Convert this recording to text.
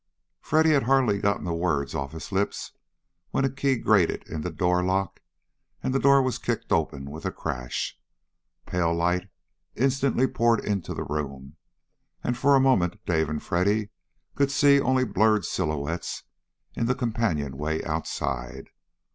Freddy had hardly got the words off his lips when a key grated in the door lock and the door was kicked open with a crash. Pale light instantly poured into the room, and for a moment Dave and Freddy could see only blurred silhouettes in the companionway outside.